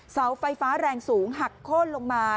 เสาไฟฟ้าแรงสูงหักโค้นลงมา